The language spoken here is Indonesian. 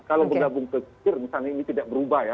kalau bergabung ke kir misalnya ini tidak berubah ya